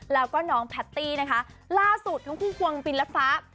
และก็น้องปาตตี้ล่าสุดทั้งว่าคู่กวงบินลัดฟ้า